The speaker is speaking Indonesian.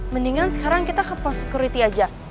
mendingan sekarang kita ke pos security aja